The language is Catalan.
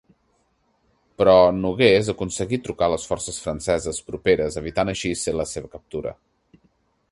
Però Nogués aconseguí trucar a les forces franceses properes, evitant així ser la seva captura.